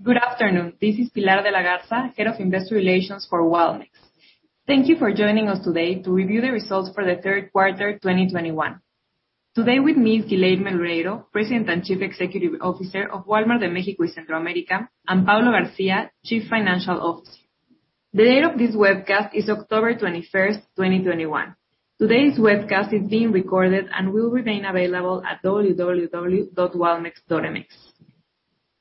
Good afternoon. This is Pilar de la Garza, Head of Investor Relations for Walmex. Thank you for joining us today to review the results for the third quarter, 2021. Today with me is Guilherme Loureiro, President and Chief Executive Officer of Walmart de México y Centroamérica, and Paulo Garcia, Chief Financial Officer. The date of this webcast is October 21st, 2021. Today's webcast is being recorded and will remain available at www.walmex.mx.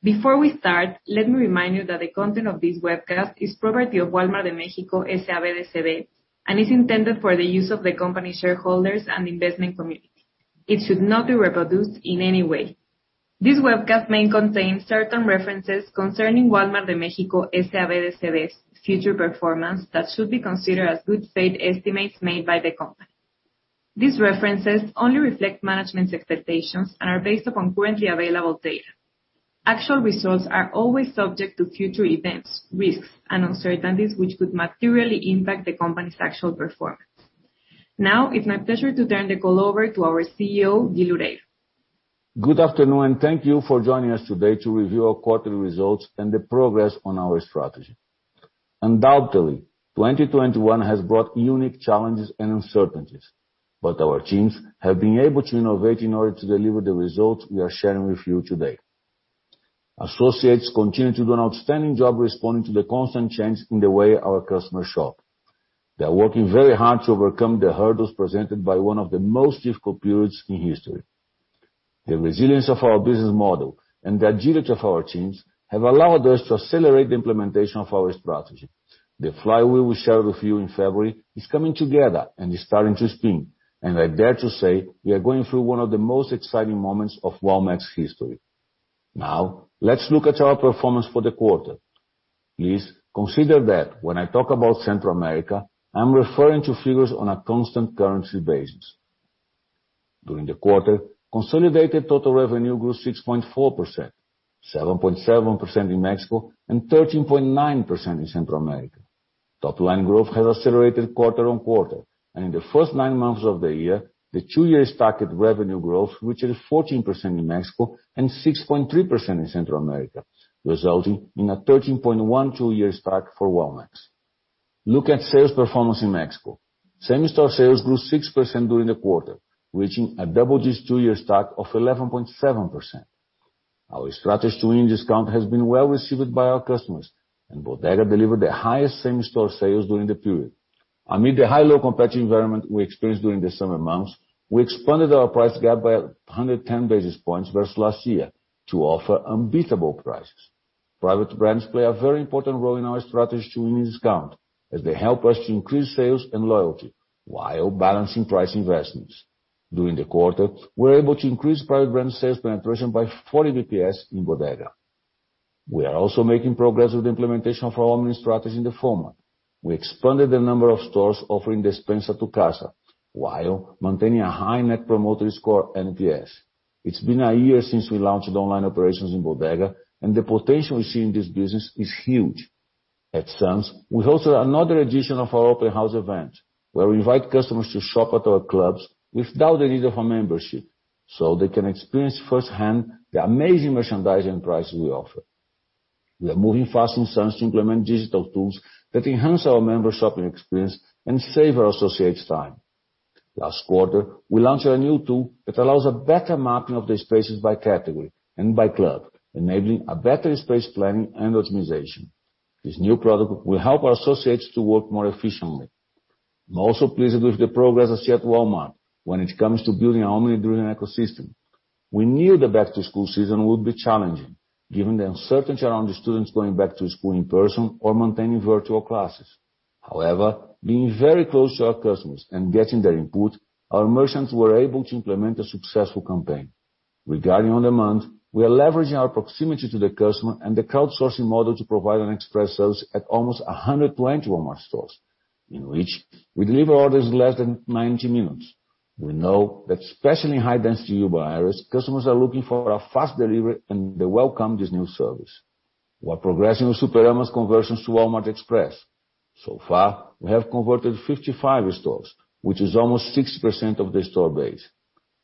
Before we start, let me remind you that the content of this webcast is property of Wal-Mart de México, S.A.B. de C.V., and is intended for the use of the company shareholders and investment community. It should not be reproduced in any way. This webcast may contain certain references concerning Wal-Mart de México, S.A.B. de C.V.'s future performance that should be considered as good faith estimates made by the company. These references only reflect management's expectations and are based upon currently available data. Actual results are always subject to future events, risks, and uncertainties which could materially impact the company's actual performance. Now it's my pleasure to turn the call over to our CEO, Guilherme Loureiro. Good afternoon, and thank you for joining us today to review our quarterly results and the progress on our strategy. Undoubtedly, 2021 has brought unique challenges and uncertainties, but our teams have been able to innovate in order to deliver the results we are sharing with you today. Associates continue to do an outstanding job responding to the constant change in the way our customers shop. They are working very hard to overcome the hurdles presented by one of the most difficult periods in history. The resilience of our business model and the agility of our teams have allowed us to accelerate the implementation of our strategy. The flywheel we shared with you in February is coming together and is starting to spin, and I dare to say we are going through one of the most exciting moments of Walmex history. Now, let's look at our performance for the quarter. Please consider that when I talk about Central America, I'm referring to figures on a constant currency basis. During the quarter, consolidated total revenue grew 6.4%, 7.7% in Mexico and 13.9% in Central America. Top line growth has accelerated quarter-over-quarter, and in the first nine months of the year, the two-year stacked revenue growth, which is 14% in Mexico and 6.3% in Central America, resulting in a 13.1 two-year stack for Walmex. Look at sales performance in Mexico. Same-store sales grew 6% during the quarter, reaching a double-digit two-year stack of 11.7%. Our strategy to win in discount has been well received by our customers, and Bodega delivered the highest same-store sales during the period. Amid the high, low competitive environment we experienced during the summer months, we expanded our price gap by 110 basis points versus last year to offer unbeatable prices. Private brands play a very important role in our strategy to win discount, as they help us to increase sales and loyalty while balancing price investments. During the quarter, we're able to increase private brand sales penetration by 40 basis points in Bodega. We are also making progress with the implementation of our omni strategy in the format. We expanded the number of stores offering Despensa a Tu Casa while maintaining a high net promoter score, NPS. It's been a year since we launched online operations in Bodega, and the potential we see in this business is huge. At Sam's, we host another edition of our open house event where we invite customers to shop at our clubs without the need of a membership, so they can experience firsthand the amazing merchandising prices we offer. We are moving fast in Sam's to implement digital tools that enhance our member shopping experience and save our associates time. Last quarter, we launched a new tool that allows a better mapping of the spaces by category and by club, enabling a better space planning and optimization. This new product will help our associates to work more efficiently. I'm also pleased with the progress I see at Walmart when it comes to building an omni-driven ecosystem. We knew the back to school season would be challenging given the uncertainty around the students going back to school in person or maintaining virtual classes. However, being very close to our customers and getting their input, our merchants were able to implement a successful campaign. Regarding on-demand, we are leveraging our proximity to the customer and the crowdsourcing model to provide an express service at almost 120 Walmart stores, in which we deliver orders less than 90 minutes. We know that especially in high density urban areas, customers are looking for a fast delivery and they welcome this new service. We're progressing with Superama's conversions to Walmart Express. So far, we have converted 55 stores, which is almost 6% of the store base.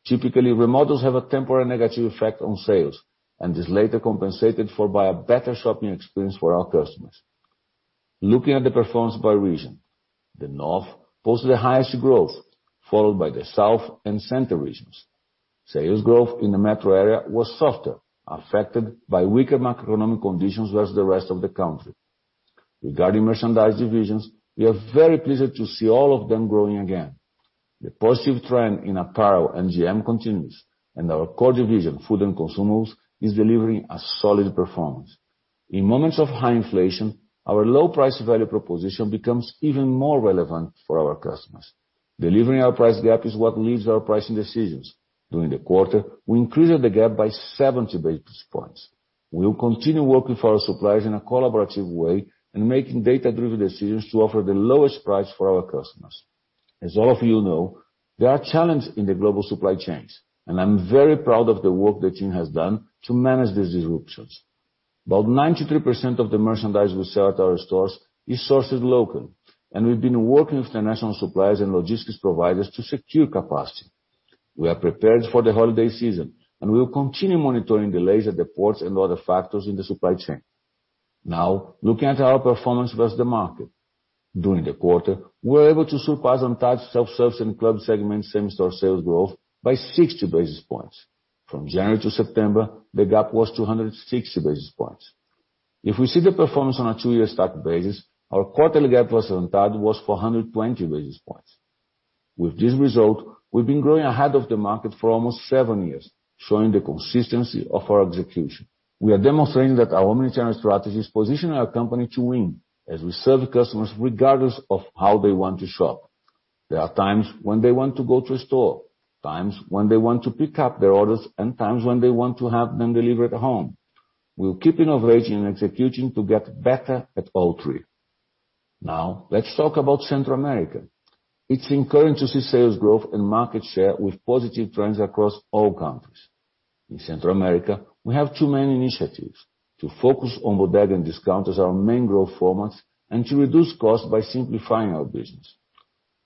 Typically, remodels have a temporary negative effect on sales and is later compensated for by a better shopping experience for our customers. Looking at the performance by region, the North poses the highest growth, followed by the South and Center regions. Sales growth in the metro area was softer, affected by weaker macroeconomic conditions versus the rest of the country. Regarding merchandise divisions, we are very pleased to see all of them growing again. The positive trend in apparel and GM continues, and our core division, food and consumables, is delivering a solid performance. In moments of high inflation, our low price value proposition becomes even more relevant for our customers. Delivering our price gap is what leads our pricing decisions. During the quarter, we increased the gap by 70 basis points. We will continue working for our suppliers in a collaborative way and making data-driven decisions to offer the lowest price for our customers. As all of you know, there are challenges in the global supply chains, and I'm very proud of the work the team has done to manage these disruptions. About 93% of the merchandise we sell at our stores is sourced locally, and we've been working with international suppliers and logistics providers to secure capacity. We are prepared for the holiday season, and we will continue monitoring delays at the ports and other factors in the supply chain. Now, looking at our performance versus the market. During the quarter, we were able to surpass ANTAD, self-service, and club segment same-store sales growth by 60 basis points. From January to September, the gap was 260 basis points. If we see the performance on a two-year stack basis, our quarterly gap was 420 basis points. With this result, we've been growing ahead of the market for almost seven years, showing the consistency of our execution. We are demonstrating that our omnichannel strategy is positioning our company to win as we serve customers regardless of how they want to shop. There are times when they want to go to a store, times when they want to pick up their orders, and times when they want to have them delivered at home. We're keeping innovating and executing to get better at all three. Now, let's talk about Central America. It's been encouraging to see sales growth and market share with positive trends across all countries. In Central America, we have two main initiatives, to focus on Bodega and discount as our main growth formats, and to reduce costs by simplifying our business.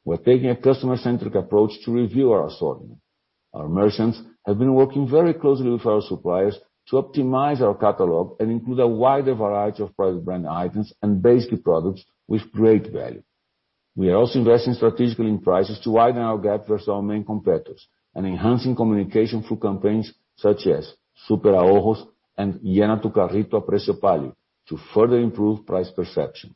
We're taking a customer-centric approach to review our assortment. Our merchants have been working very closely with our suppliers to optimize our catalog and include a wider variety of private brand items and basic products with great value. We are also investing strategically in prices to widen our gap versus our main competitors and enhancing communication through campaigns such as Super Ahorros and Llena tu Carrito a Precio Pálido to further improve price perception.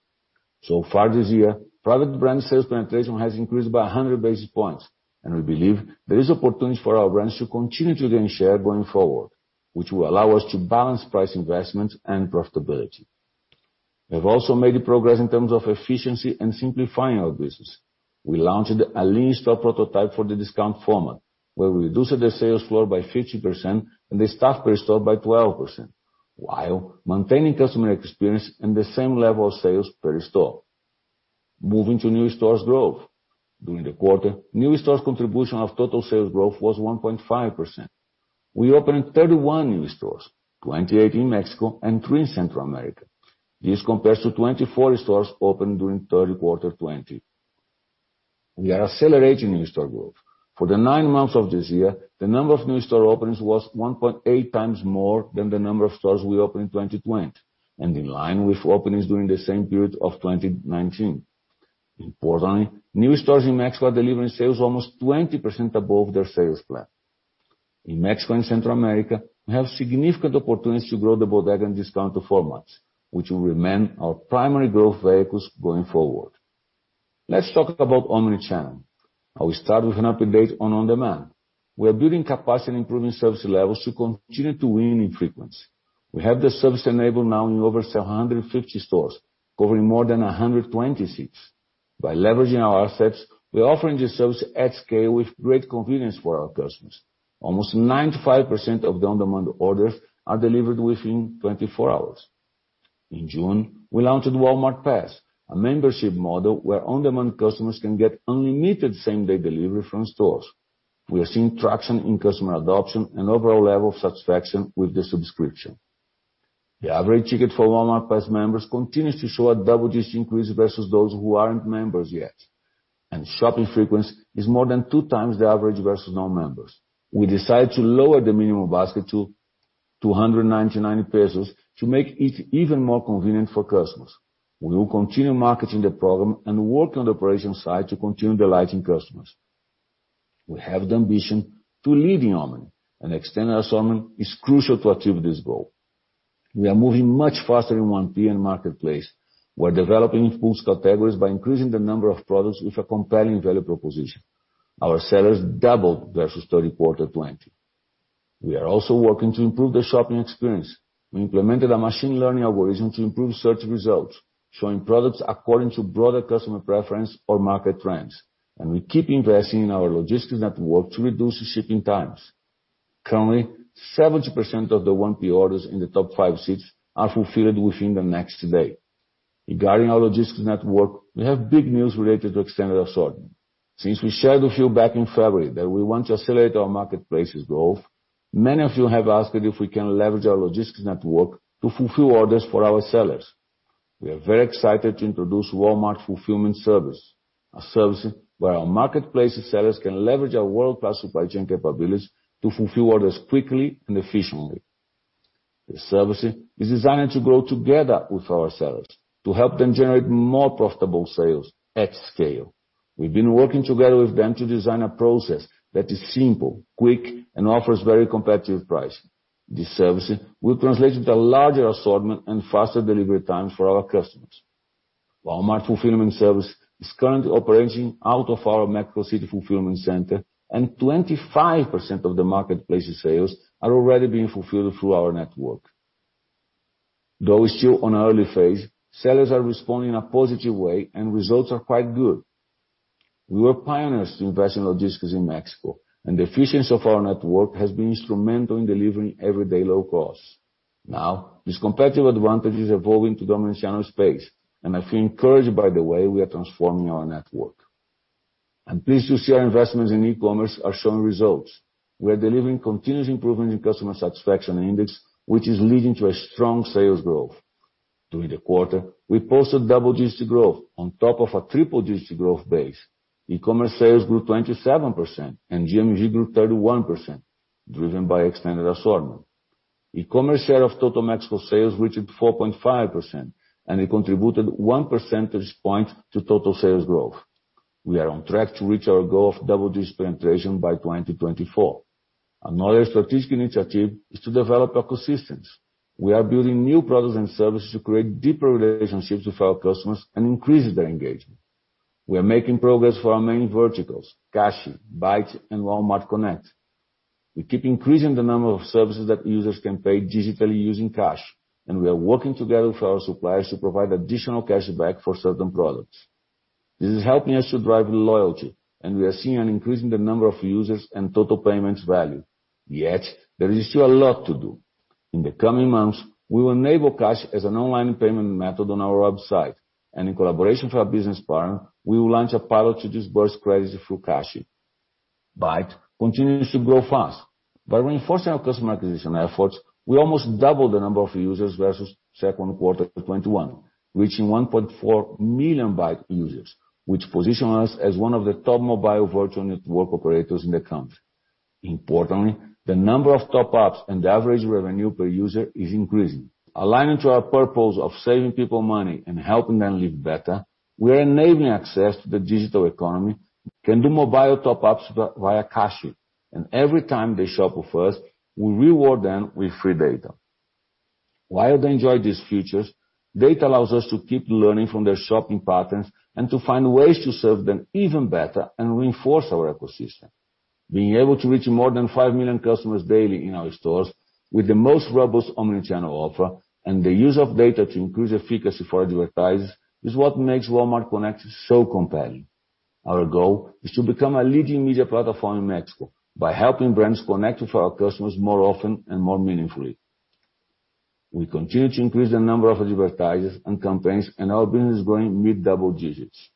So far this year, private brand sales penetration has increased by 100 basis points, and we believe there is opportunity for our brands to continue to gain share going forward, which will allow us to balance price investments and profitability. We have also made progress in terms of efficiency and simplifying our business. We launched a lean store prototype for the discount format, where we reduced the sales floor by 50% and the staff per store by 12%, while maintaining customer experience and the same level of sales per store. Moving to new stores growth. During the quarter, new stores contribution of total sales growth was 1.5%. We opened 31 new stores, 28 in Mexico and three in Central America. This compares to 24 stores opened during third quarter 2020. We are accelerating new store growth. For the nine months of this year, the number of new store openings was 1.8 times more than the number of stores we opened in 2020, and in line with openings during the same period of 2019. Importantly, new stores in Mexico are delivering sales almost 20% above their sales plan. In Mexico and Central America, we have significant opportunities to grow the bodega and discount formats, which will remain our primary growth vehicles going forward. Let's talk about omnichannel. I will start with an update on On Demand. We are building capacity and improving service levels to continue to win in frequency. We have the service enabled now in over 750 stores, covering more than 120 cities. By leveraging our assets, we're offering the service at scale with great convenience for our customers. Almost 95% of the On Demand orders are delivered within 24 hours. In June, we launched Walmart Pass, a membership model where On Demand customers can get unlimited same-day delivery from stores. We are seeing traction in customer adoption and overall level of satisfaction with the subscription. The average ticket for Walmart Pass members continues to show a double-digit increase versus those who aren't members yet. Shopping frequency is more than two times the average versus non-members. We decided to lower the minimum basket to 299 pesos to make it even more convenient for customers. We will continue marketing the program and work on the operation side to continue delighting customers. We have the ambition to lead in Omni, and extending our assortment is crucial to achieve this goal. We are moving much faster in 1P and Marketplace. We're developing pools categories by increasing the number of products with a compelling value proposition. Our sellers doubled versus third quarter 2020. We are also working to improve the shopping experience. We implemented a machine learning algorithm to improve search results, showing products according to broader customer preference or market trends. We keep investing in our logistics network to reduce shipping times. Currently, 70% of the 1P orders in the top five cities are fulfilled within the next day. Regarding our logistics network, we have big news related to extended assortment. Since we shared with you back in February that we want to accelerate our Marketplace's growth, many of you have asked if we can leverage our logistics network to fulfill orders for our sellers. We are very excited to introduce Walmart Fulfillment Service, a service where our Marketplace sellers can leverage our world-class supply chain capabilities to fulfill orders quickly and efficiently. This service is designed to grow together with our sellers to help them generate more profitable sales at scale. We've been working together with them to design a process that is simple, quick, and offers very competitive pricing. This service will translate to a larger assortment and faster delivery time for our customers. Walmart Fulfillment Services is currently operating out of our Mexico City fulfillment center, and 25% of the Marketplace's sales are already being fulfilled through our network. Though we're still on an early phase, sellers are responding in a positive way, and results are quite good. We were pioneers to invest in logistics in Mexico, and the efficiency of our network has been instrumental in delivering everyday low costs. Now, this competitive advantage is evolving to the omnichannel space, and I feel encouraged by the way we are transforming our network. I'm pleased to see our investments in e-commerce are showing results. We are delivering continuous improvements in customer satisfaction index, which is leading to a strong sales growth. During the quarter, we posted double-digit growth on top of a triple-digit growth base. e-commerce sales grew 27% and GMV grew 31%, driven by extended assortment. e-commerce share of total Mexico sales reached 4.5%, and it contributed one percentage point to total sales growth. We are on track to reach our goal of double this penetration by 2024. Another strategic initiative is to develop ecosystems. We are building new products and services to create deeper relationships with our customers and increase their engagement. We are making progress for our main verticals, Cashi, BAIT and Walmart Connect. We keep increasing the number of services that users can pay digitally using Cashi, and we are working together with our suppliers to provide additional cashback for certain products. This is helping us to drive loyalty, and we are seeing an increase in the number of users and total payments value. Yet, there is still a lot to do. In the coming months, we will enable Cashi as an online payment method on our website, and in collaboration with our business partner, we will launch a pilot to disburse credits through Cashi. BAIT continues to grow fast. By reinforcing our customer acquisition efforts, we almost doubled the number of users versus second quarter of 2021, reaching 1.4 million BAIT users, which position us as one of the top mobile virtual network operators in the country. Importantly, the number of top-ups and the average revenue per user is increasing. Aligning to our purpose of saving people money and helping them live better, we are enabling access to the digital economy. Customers can do mobile top-ups via Cashi, and every time they shop with us, we reward them with free data. While they enjoy these features, data allows us to keep learning from their shopping patterns and to find ways to serve them even better and reinforce our ecosystem. Being able to reach more than 5 million customers daily in our stores with the most robust omni-channel offer and the use of data to increase efficacy for advertisers is what makes Walmart Connect so compelling. Our goal is to become a leading media platform in Mexico by helping brands connect with our customers more often and more meaningfully. We continue to increase the number of advertisers and campaigns, and our business is growing mid-double digits.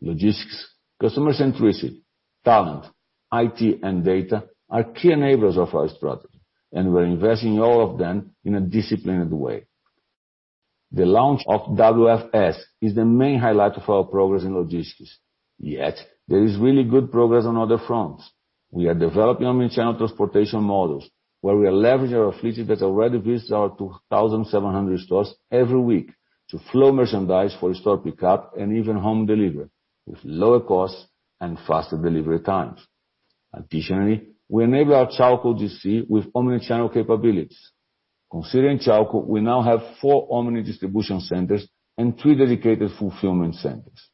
Logistics, customer-centricity, talent, IT, and data are key enablers of our strategy, and we're investing in all of them in a disciplined way. The launch of WFS is the main highlight of our progress in logistics. Yet there is really good progress on other fronts. We are developing omni-channel transportation models, where we leverage our fleet that already visits our 2,700 stores every week to flow merchandise for store pickup and even home delivery with lower costs and faster delivery times. Additionally, we enable our Chalco DC with omni-channel capabilities. Considering Chalco, we now have four omni distribution centers and three dedicated fulfillment centers.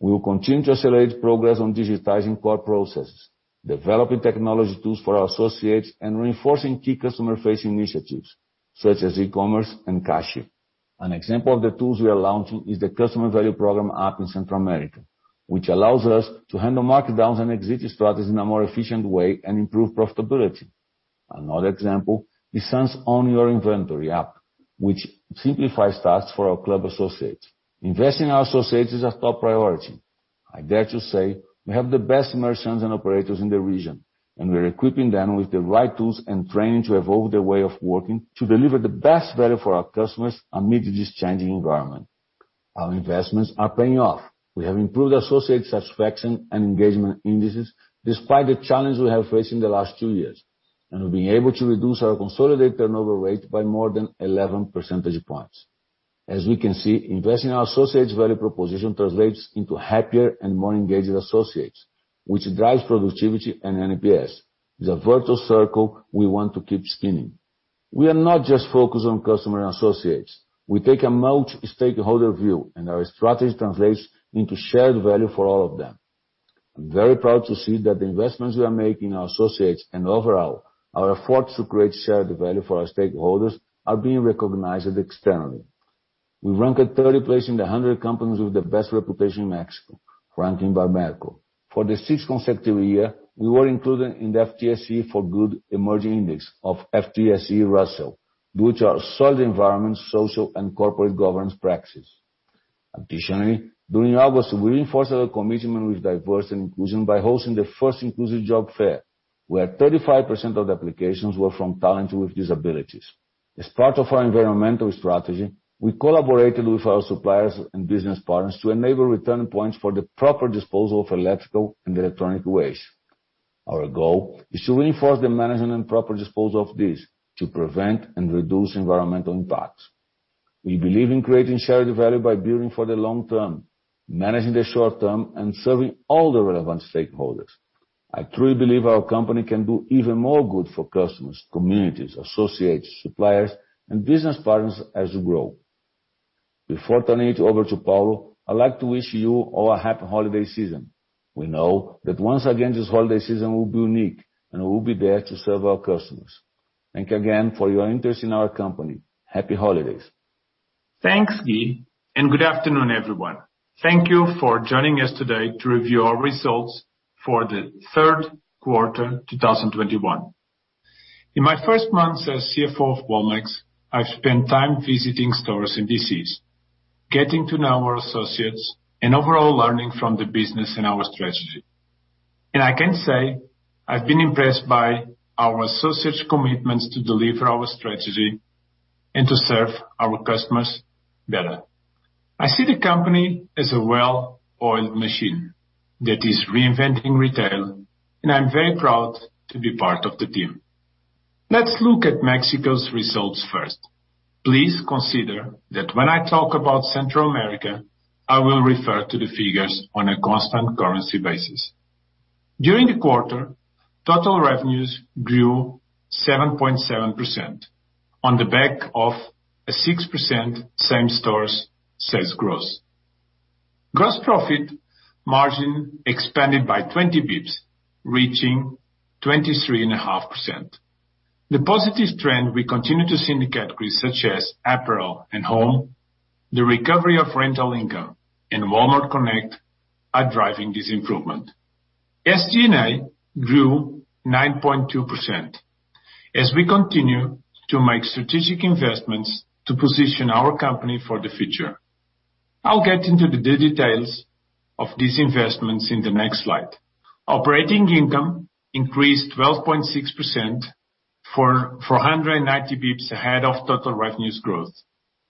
We will continue to accelerate progress on digitizing core processes, developing technology tools for our associates, and reinforcing key customer-facing initiatives such as e-commerce and Cashi. An example of the tools we are launching is the Customer Value Program app in Central America, which allows us to handle markdowns and exit strategies in a more efficient way and improve profitability. Another example is Sam's Own Your Inventory app, which simplifies tasks for our club associates. Investing in our associates is a top priority. I dare to say we have the best merchants and operators in the region, and we're equipping them with the right tools and training to evolve their way of working to deliver the best value for our customers amid this changing environment. Our investments are paying off. We have improved associate satisfaction and engagement indices despite the challenges we have faced in the last two years, and we've been able to reduce our consolidated turnover rate by more than 11 percentage points. As we can see, investing in our associates' value proposition translates into happier and more engaged associates, which drives productivity and NPS. It's a virtual circle we want to keep spinning. We are not just focused on customer and associates. We take a multi-stakeholder view, and our strategy translates into shared value for all of them. I'm very proud to see that the investments we are making in our associates and overall, our efforts to create shared value for our stakeholders are being recognized externally. We ranked at 30th place in the 100 companies with the best reputation in Mexico, ranking by Merco. For the sixth consecutive year, we were included in the FTSE4Good Emerging Index of FTSE Russell due to our solid environmental, social, and corporate governance practices. Additionally, during August, we reinforced our commitment to diversity and inclusion by hosting the first inclusive job fair, where 35% of the applications were from talent with disabilities. As part of our environmental strategy, we collaborated with our suppliers and business partners to enable return points for the proper disposal of electrical and electronic waste. Our goal is to reinforce the management and proper disposal of this to prevent and reduce environmental impacts. We believe in creating shared value by building for the long term, managing the short term, and serving all the relevant stakeholders. I truly believe our company can do even more good for customers, communities, associates, suppliers, and business partners as we grow. Before turning it over to Paulo, I'd like to wish you all a happy holiday season. We know that once again, this holiday season will be unique, and we will be there to serve our customers. Thank you again for your interest in our company. Happy holidays. Thanks, Gui, and good afternoon, everyone. Thank you for joining us today to review our results for the third quarter, 2021. In my first months as CFO of Walmex, I've spent time visiting stores and DCs, getting to know our associates and overall learning from the business and our strategy. I can say I've been impressed by our associates' commitments to deliver our strategy and to serve our customers better. I see the company as a well-oiled machine that is reinventing retail, and I'm very proud to be part of the team. Let's look at Mexico's results first. Please consider that when I talk about Central America, I will refer to the figures on a constant currency basis. During the quarter, total revenues grew 7.7% on the back of a 6% same stores sales growth. Gross profit margin expanded by 20 basis points, reaching 23.5%. The positive trend we continue to see in the categories such as apparel and home, the recovery of rental income, and Walmart Connect are driving this improvement. SG&A grew 9.2% as we continue to make strategic investments to position our company for the future. I'll get into the details of these investments in the next slide. Operating income increased 12.6%, 490 basis points ahead of total revenues growth,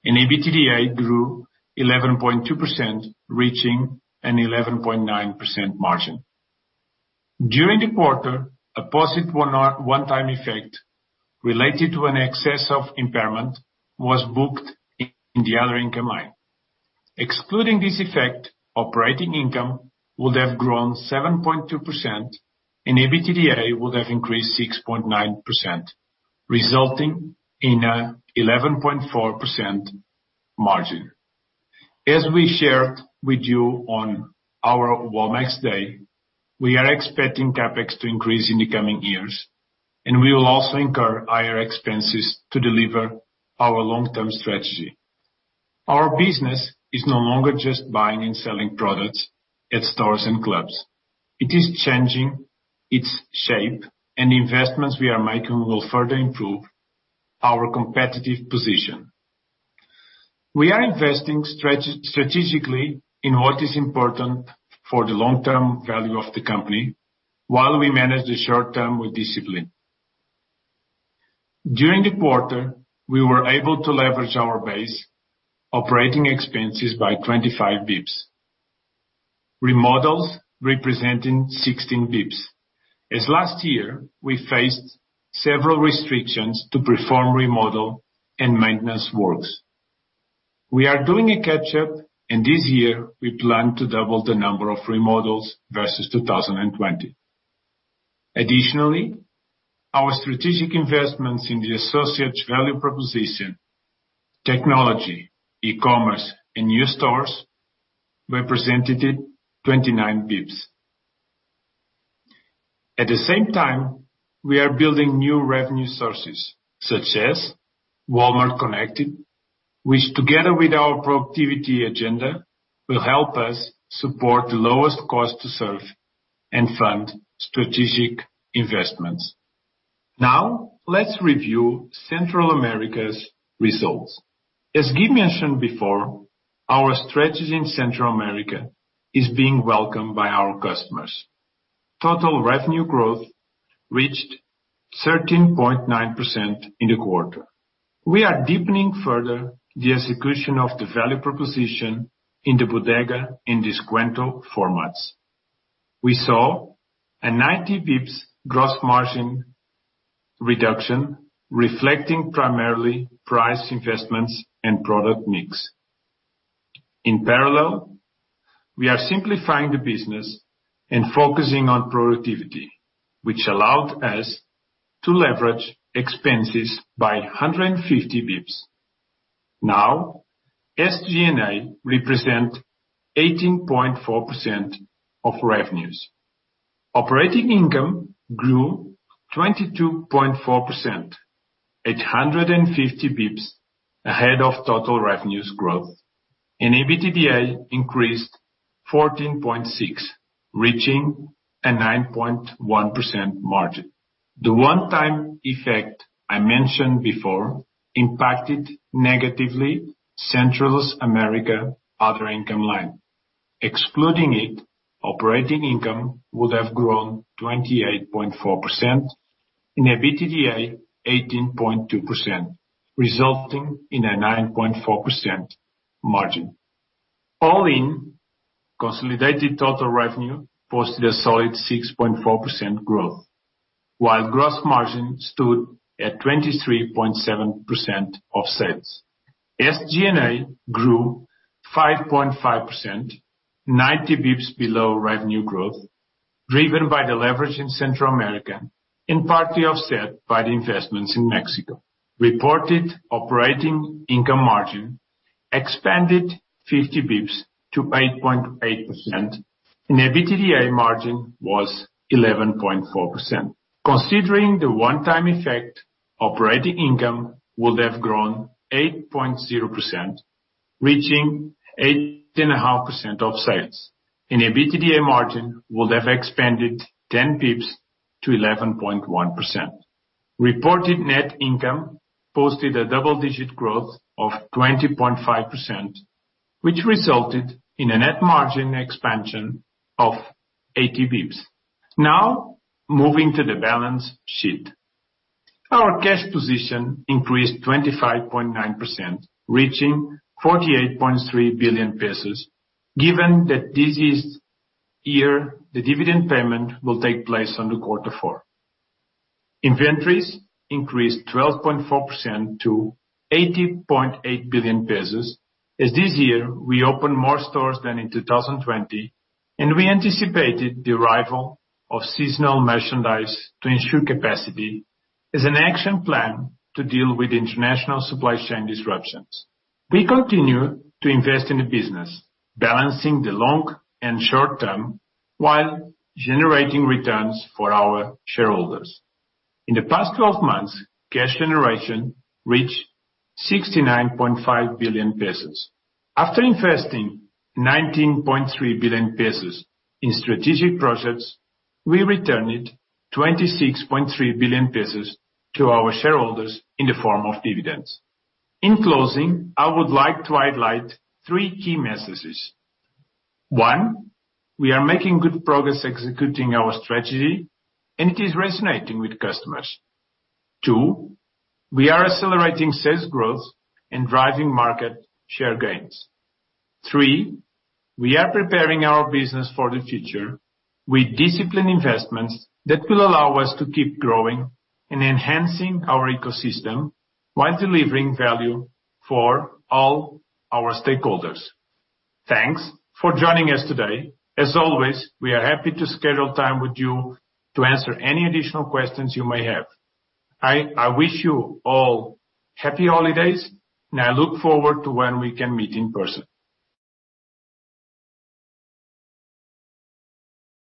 and EBITDA grew 11.2%, reaching an 11.9% margin. During the quarter, a one-time effect related to an excess of impairment was booked in the other income line. Excluding this effect, operating income would have grown 7.2%, and EBITDA would have increased 6.9%, resulting in an 11.4% margin. As we shared with you on our Walmex Day, we are expecting CapEx to increase in the coming years, and we will also incur higher expenses to deliver our long-term strategy. Our business is no longer just buying and selling products at stores and clubs. It is changing its shape, and the investments we are making will further improve our competitive position. We are investing strategically in what is important for the long-term value of the company while we manage the short term with discipline. During the quarter, we were able to leverage our base operating expenses by 25 basis points. Remodels representing 16 basis points. As last year, we faced several restrictions to perform remodel and maintenance works. We are doing a catch-up, and this year we plan to double the number of remodels versus 2020. Additionally, our strategic investments in the associates' value proposition, technology, e-commerce, and new stores represented 29 basis points. At the same time, we are building new revenue sources such as Walmart Connect, which together with our productivity agenda, will help us support the lowest cost to serve and fund strategic investments. Now, let's review Central America's results. As mentioned before, our strategy in Central America is being welcomed by our customers. Total revenue growth reached 13.9% in the quarter. We are deepening further the execution of the value proposition in the Bodega and Descuento formats. We saw a 90 basis points gross margin reduction, reflecting primarily price investments and product mix. In parallel, we are simplifying the business and focusing on productivity, which allowed us to leverage expenses by 150 basis points. Now, SG&A represents 18.4% of revenues. Operating income grew 22.4%, 850 basis points ahead of total revenues growth. EBITDA increased 14.6%, reaching a 9.1% margin. The one-time effect I mentioned before impacted negatively Central America other income line. Excluding it, operating income would have grown 28.4% and EBITDA 18.2%, resulting in a 9.4% margin. All in, consolidated total revenue posted a solid 6.4% growth, while gross margin stood at 23.7% of sales. SG&A grew 5.5%, 90 basis points below revenue growth, driven by the leverage in Central America, in part offset by the investments in Mexico. Reported operating income margin expanded 50 basis points to 8.8%, and EBITDA margin was 11.4%. Considering the one-time effect, operating income would have grown 8.0%, reaching 8.5% of sales, and EBITDA margin would have expanded 10 basis points to 11.1%. Reported net income posted a double-digit growth of 20.5%. Which resulted in a net margin expansion of 80 basis points. Now, moving to the balance sheet. Our cash position increased 25.9%, reaching 48.3 billion pesos, given that this year, the dividend payment will take place in quarter four. Inventories increased 12.4% to 80.8 billion pesos, as this year we opened more stores than in 2020 and we anticipated the arrival of seasonal merchandise to ensure capacity as an action plan to deal with international supply chain disruptions. We continue to invest in the business, balancing the long and short term, while generating returns for our shareholders. In the past 12 months, cash generation reached MXN 69.5 billion. After investing 19.3 billion pesos in strategic projects, we returned 26.3 billion pesos to our shareholders in the form of dividends. In closing, I would like to highlight three key messages. One, we are making good progress executing our strategy, and it is resonating with customers. Two, we are accelerating sales growth and driving market share gains. Three, we are preparing our business for the future with disciplined investments that will allow us to keep growing and enhancing our ecosystem while delivering value for all our stakeholders. Thanks for joining us today. As always, we are happy to schedule time with you to answer any additional questions you may have. I wish you all happy holidays, and I look forward to when we can meet in person.